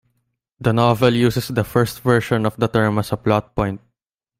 The novel uses the first version of the term as a plot point.